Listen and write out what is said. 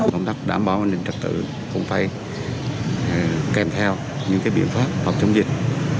công tác đảm bảo an ninh trật tự không phải kèm theo những biện pháp phòng chống dịch